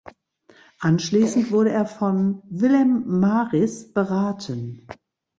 Anschließend wurde er von Willem Maris beraten.